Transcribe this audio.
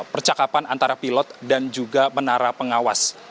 percakapan antara pilot dan juga menara pengawas